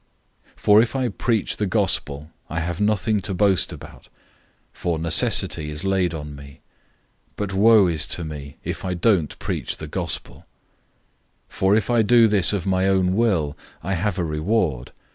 009:016 For if I preach the Good News, I have nothing to boast about; for necessity is laid on me; but woe is to me, if I don't preach the Good News. 009:017 For if I do this of my own will, I have a reward.